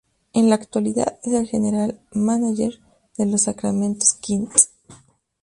En la actualidad es el General Mánager de los Sacramento Kings.